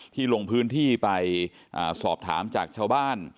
ลงพื้นที่ไปสอบถามจากชาวบ้าน